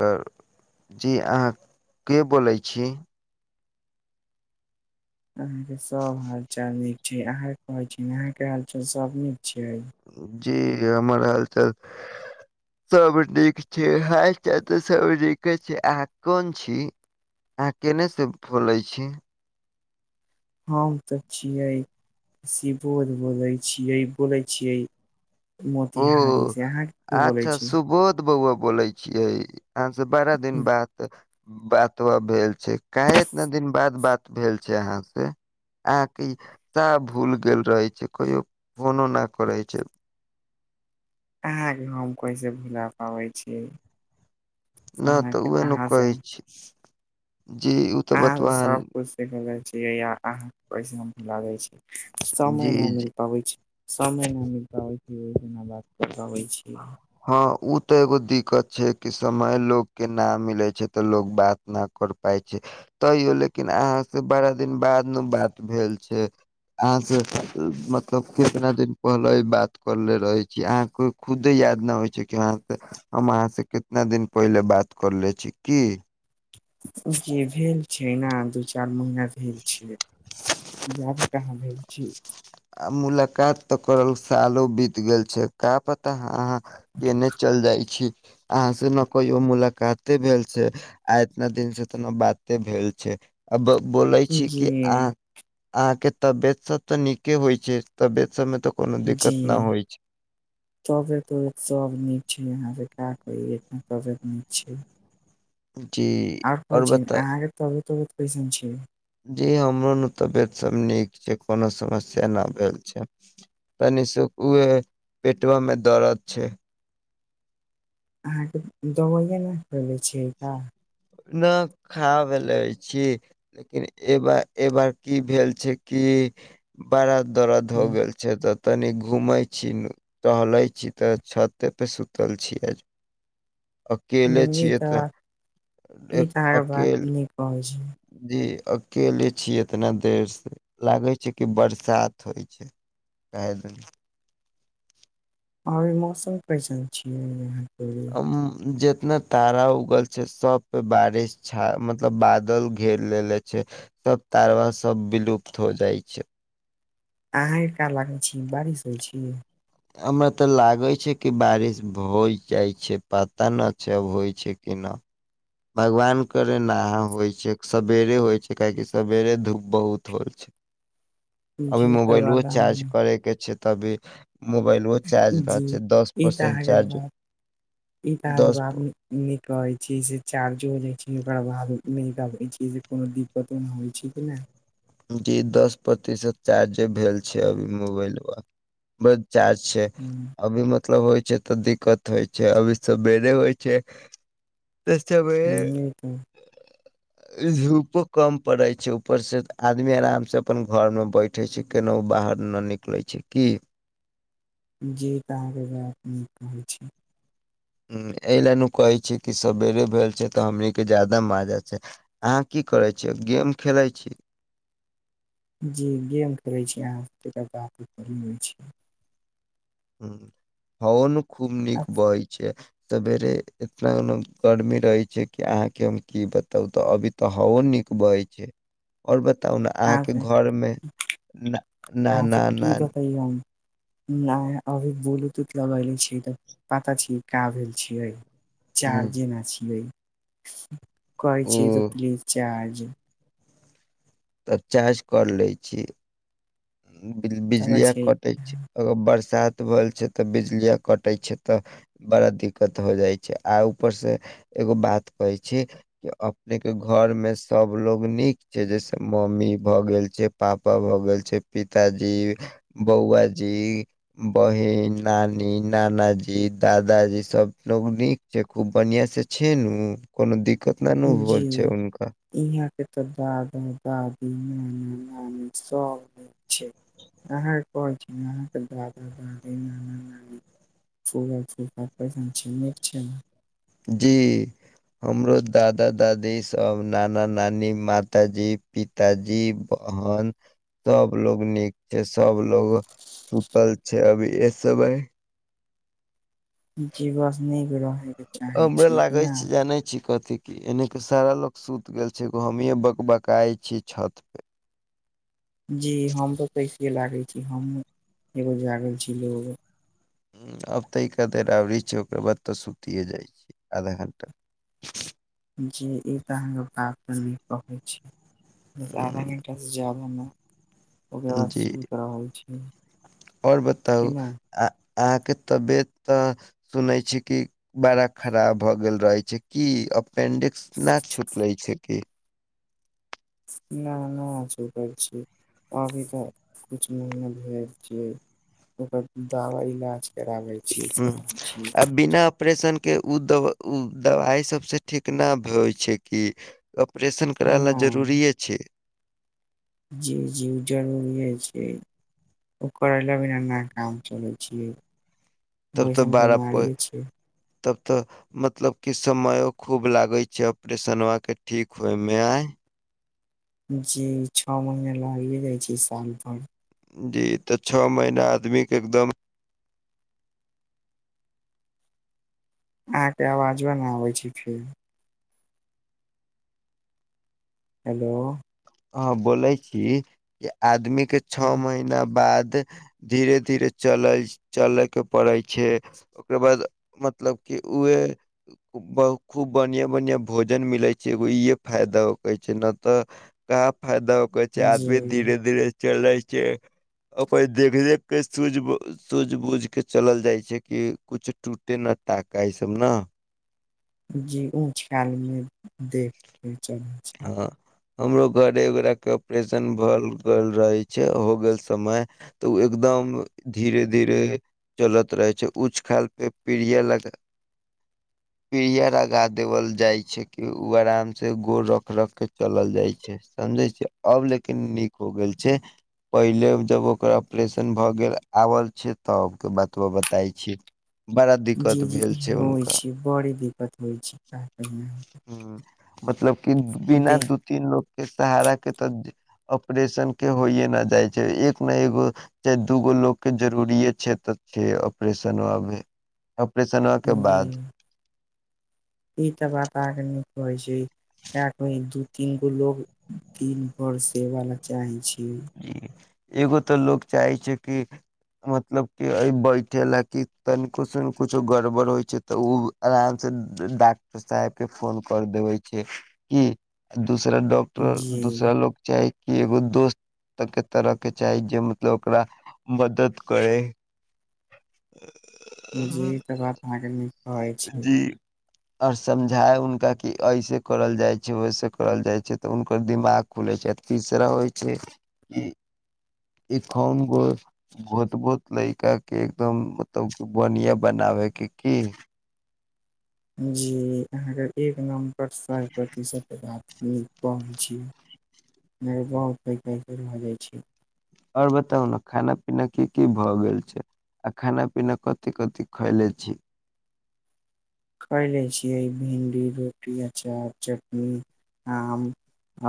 हँ जी अहाँ के बोलै छी? यहां के सब हाल चाल नीक छै अहाँ के कहेै छी अहाँ के हाल चाल सब नीक छीयै? जी हमर हालचाल सब नीक छै हाल चाल तऽ सब नीके छै आहाँ कोन छी? अहाँ केने से फोले छी? हम तऽ छियै शिवोर बोलै छियै बोलै छियै। ओ तिहारी से आहाँ। अच्छा सुबोध बौआ बोलेै छियै आहाँ से बारा दिन बाद। बातवा भेल छै काहे इतना दिन बाद बात भेल छै अहाँ से? आके सब भूल गेल रहे छै कहियो फोनो न करे छै? आहाँ के हम कैसे भुला पाबै छीयै। ना तऽ उहे ने से कहै हम छी जी। अहाँ तऽ सब कछ सिखे जाय छियै या आहाँ पैसा लागै छी। समय ना जी मिल पाबै छै समय ना मिल पाबै छै ओजना बात कर पाबै छै। जी हँ उ तऽ एगो दिक्कत छै कि समय लोग के न मिले छै तऽ लोग बात न कर पाइ छै तैयो लेकिन अहाँ से बारा दिन बाद में बात भेल छै। अहाँ से मतलब कितना दिन पहिले बात करले रहे छी अहाँके खुद याद न होइ छै कि आहासे हम अहाँ से कितना दिन पहिले बात करले छी की। जे भेल छै ने दू चारि महिना। भेल छै जादा कहाँ भेल छी। आ मुलाकात तऽ करल सालो बीत गेल छै। का पता अहाँ केने चल जाइ छी। अहाँ से ने कहियो मुलाकाते भेल छै आ इतना दिन से तऽ ने बाते भेल छै। आ बोलै छी कि जी, अह अहाँके तबियत सब तऽ नीक के होइ छै तबियत सममे तऽ। जी। दिक्कत न होइ छै तबियत उबीयत सब नीक छै आहा बेकार कहलियै तबियत नी छै। जी। आओर कहै छीयन आहाके तबयत उबयत कैसन छै? जी हमरो न तबियत सब नीक छै कोनो समस्या न भेल छै। तनि सु उहे पेटवा में दरद छै। अहाँके दबैया ने खले छियै ऐतऽ। नऽ खाब भेलै छी। लेकिन एबार ए बार की भेल छै कि बारा दर्द हो गेल छै तऽ तनी घुमै छी नु। टहलै छी तऽ छऽते पे सुतल छियै। अकेले हुं ई छियै त तऽ ई त अहाँके बात अकेल। नीक कहै छी, जी अकेले छीयै इतना देर से लागे छै कि बरसात होइ छै। रहै दही। आरे मौसम कैसन छियैह। हम जेतना। तारा उगल छै सब पे बारिश छा मतलब बादल घेर लेले छै। सब तारवा सब विलुप्त हो जाइ छै। अहाँ के का लागै छी बारिश होइ छी। हमरा तऽ लागै छै कि बारिश भऽ होइ जाइ छै पता नऽ छै होइ छै कि न। भगवान करे नहा होइ छै सवेरे होइ छै काहेकि सवेरे धूप बहुत होइ छै। अभी जी त मोबाइलवा बात चार्ज अहाँ करैके छय तऽ अभी मोबाइल उहो चार्ज न जी छै दस ई त परसेंट अहाँके चार्ज बात दस निक रहै छीयै से चारजो नै छै ओकरा लाल नै दहबै छीयै कोनो दिक पतन होइ छै कि नहि। जी दस प्रतिशत चार्ज भेल छैय अभी मोबाइलमे बट चार्ज छैय। हूँ। अभी मतलब होइ छैय तऽ दिक्कत होइ छैय अभी सवेरे होइ छैय। तऽ सवेरे। जी तऽ इ धूपो कम पड़ै छैय ऊपर से आदमी आराम सँ अपन घोरमे बैठे छैय केनाहु बाहर न निकलै छैय की? जी तऽ अहाँके बात नीक कहै छीय। उम एहि लए नु कहै छैय कि सबेरे भेल छैय तऽ हमनी के ज्यादा माजा छैय। अहाँ की करै छियै गेम खेलै छी। जी गेम खेलै छी अहाँके बात करी रहल छी। हुँ हवो नय खूब नीक बहै छैय। सवेरे इतना न गर्मी रहै छैय कि अहाँके हम की बताउ त अभी त हवो नीक बहै छैय। और बताउ न। आ सब, ना आ सब ना की ना बतइयए हम। आइ अभी ब्लूटूथ लगैले छियै त पता छी का भेल छियै। चार्जे न छियै, कहय उ छैय त प्लीज चार्ज। त चार्ज कर लै छी बि पता बिजलिया छै कटै छैय अगर बरसात भ गेल छैय त बिजलीया कटै छैय त बड़ा दिक्कत हो जाइ छैय आ ऊपरसँ एगो बात कहै छी अपनेके घरमे सबलोग नीक छैय जैसे मम्मी भ गेल छैय पापा भ गेल छैय पिताजी, बौआ जी बहिन, नानी, नानाजी, दादाजी सबलोग नीक जे खूब बढ़िया से छैय नु, कुनु दिक्कत ननु हुवय छैय उनका। इहाँ के त दादा, दादी, नाना, नानी सब नीक छैय। अहाँके कोन छी अहाँके दादा, दादी, नाना, नानी फूआ, फुफा कैसन छैय नीक छैय। जी। हमरो दादा, दादी सब नाना, नानी माताजी पिता ताजी, बहन सब लोग नीक छैय सब लोग सुतल छैय अभी ए सबय जी बस नीक रहै। हमरे लागै छैय जानै छी कथी कि एने के सारा लोग सुत गेल छैय एगो हमीये बकबकाइ छीयै छत पे। जी हम तो कैसे लागे छी हम एगो जागल छी ओ लोग आब त इ [unintelligible] आबे छैय ओकर बाद त सुतिये जाइ छियै आधा घंटा। जी इ त अहाँके बात नीक कहै छी। बस आधा उम्म, घण्टासँ जादा न ओकर बाद जी। सुत रहल छी। और कि बताउ ना आ अहाँके तबियत त सुनै छी कि बड़ा खराब भ गेल रहै छैय की अप अपेंडिक्स न छूटले छैय कि। न, न छुटल छैय। अभी त कुछ महीना भेल छियै ओकर दवा इलाज कराबय छी [unintelligible] छी। ऑपरेशनके उ दब उ दबाइ सभसँ ठीक न भ होइ छैय कि। ऑपरेशन करै लए जरूरिए छैय। जी- जी उ जरूरीेये छैय। ओकर अलावे न काम चलै छियै उ तब तऽ एयसन बड़ा प बिमारीये छियै। तब त मतलब कि समयो खूब लागैय छैय ऑपरेशनमाके ठीक होयमे आइ। जी छ महीना लागिये जाइ छैय साल भर। जी त छ महीना आदमीके एकदम अहाँके आवाजबा न आबैय छैय फेर। हेलो। हॅंऽ बोलै छी जे आदमी के छओ महीना बाद धीरे-धीरे चलै चलैके पड़ै छै ओकर बाद मतलब कि उएहे बहु खूब बढ़िआँ-बढ़िआँ भोजन मिलै छै एगो इहे फायदा छैय नै तऽ। कहाँ फायदा होकर छै जी आदमी धीरे-धीरे चलै छै। ओकर देखरेख के सूझ सूझ बूझ के चलल जाइ छै कि कुछ टूटे नऽ ताका ई सब नऽ। जी उ खयाल मे देख के चलै छै। अहं हमरो घर एकगोरा के ऑपरेशन भऽ गेल रहे छै, हो गेलै समय तऽ उ एकदम धीरे-धीरे चलैत रहै छै, उंच ख्याल पे पीढ़िया ल के। पीढ़िया लगा देवल जाय छैय कि उ आराम से गोड़ रख रख के चलल जाय छै, समझे छै, अब लेकिन नीक हो गेल छै। पहिले जब ओकर ऑपरेशन भए गेल आबल छै तब के बतबा बताय छी। बड़ा दिक्कत जी-जी भेल छै होइ हुनका छै बड़ दिकत होइ छै हुं, मतलब कि बिना दू तीन लोग के सहारा के तऽ ऑपरेशन के होइए न जाइ छै, एक ने एगो चाहे दू गो लोकके जरुरीये छै तऽ छै ऑपरेशन आबै ऑपरेशन हो के जी बाद। ई तऽ बात अहाॅं कऽ नीक होइ छै। किया त दू तीन गो लोग दिन भर सेवा ले चाहै छी। जी--एगो तऽ लोक चाहै छै कि मतलब कि ऐ बैठे ले कि तनिको स हुनको कुछो गड़बड़ होइ छैय तऽ ओ आराम से डॉक्टर साहेब के फोन कऽ देबै छै कि दूसरा डाक्टर तऽ दूसरा जे लोग चाही कि एगो दोस्त के तरह के चाही जे मतलब ओकरा मदद करै। जी तब आप अहाँ गेल जी। और समझायब हुनका कि ऐसे करल जाइ छै वैसे करल जाइ छै तऽ हुनकर दिमाग खुलै छै, तीसरा होइ छै ई एक खन गो बहुत बहुत लयका के एकदम मतलब बढ़िया बनाबे के की जी अहाँके एक नम्बर सौ प्रतिशत बात न होइ छी प भ जाइ छी [unintelligible] और बताउ नऽ खाना पीना की की भए गेल छै। आ खाना पीना कथि कथि खैले छी। खयले छियै भिंडी, रोटी, अचार, चटनी, आम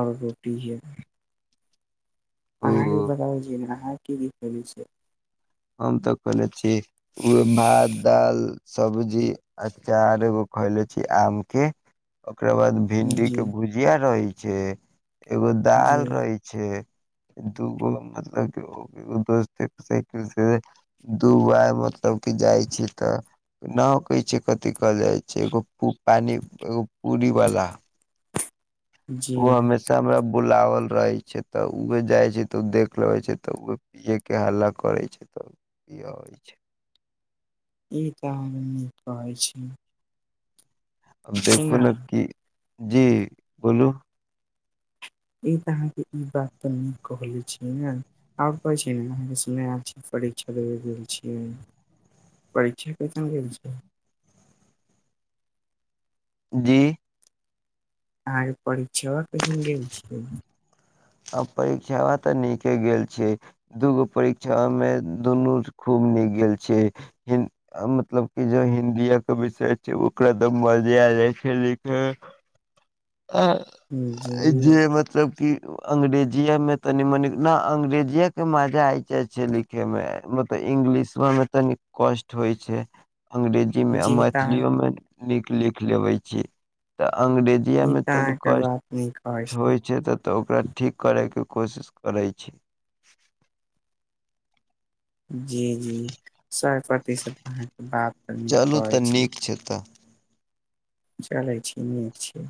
और रोटी है। ओ अहाँके बतावै छी ने अहाँ की की करै छियै। हम तऽ खेने छी उहे भात-दाल सब्जी अचार एगो खैले छी आम के ओकरा बाद छियै भिन्डी के जी भुजिया रहे छै, एगो जी दाल रहै छै, दूगो मतलब दोस्त के साइकिल से दुबइ मतलब की जाइ छी तऽ ना उ कहै छै कथि कहल जाइ छै एगो पू पानी एगो पूरी वाला जी उहो मे सब अब बुलावल रहै छै तऽ उहो जाइ छै तऽ देख लेबै छै तऽ पियए के हल्ला करै छै तब पियाबै छै। ई तऽ आहां नीक कहै छीयै। देखू नै कि जी बोलू? ई तऽ अहाँके ई बात तऽ नीक कहने छी नै? आब कहै छी नै आहां के सुने में ऐल छै परीक्षा देबै गेल छियै। परीक्षा कैसन गैल छै। जी। अहांके परीक्षवा कैसन गेल छै? आब परीक्षवा तऽ नीके गेल छै। दूगो परीक्षामे दुनू खूब नीक गेल छै, हिं अ मतलब कि जे हिन्दीया के विषय छै ओकरा एकदम मजे आ जाय छै लिखै मे। अ-अ जी जे मतलब कि अंग्रेजीए मे तनी-मनि न अंग्रेजीेया के मजा आए जाय छै लि खे मे मतलब इंगलिशवा मे तनी कष्ट होइ छै, अंग्रेज जी मे मैथिलीयो में तनी नीक लिख लेबै छीयै त अंग्रेजी या ई में तऽ तनी अहाँके बात नीक कहै कष्ट होइ छै तऽ ओकरा ठीक करैके कोशिश करै छीयै। जी-जी सए प्रतिशत अहाँ के बात तऽ नीक कहै छी। से त चलै छी, नीक छी।